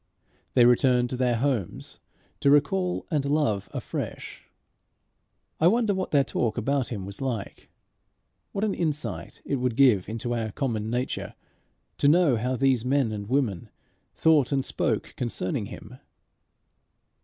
They returned to their homes to recall and love afresh. I wonder what their talk about him was like. What an insight it would give into our common nature, to know how these men and women thought and spoke concerning him!